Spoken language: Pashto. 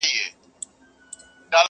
• ټولنه ورو ورو بدلېږي لږ,